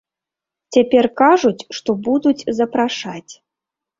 Цяпер кажуць, што будуць запрашаць.